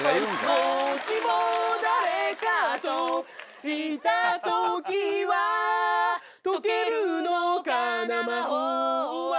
もちも誰かといた時は解けるのかな魔法は